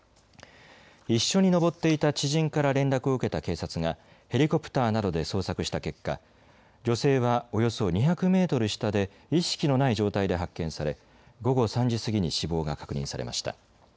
一緒に登っていた知人から連絡を受けた警察がヘリコプターなどで捜索した結果、女性はおよそ２００メートル下で意識のない状態で発見され午後３時過ぎに死亡が確認されました。